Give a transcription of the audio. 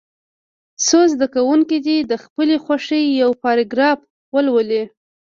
څو زده کوونکي دې د خپلې خوښې یو پاراګراف ولولي.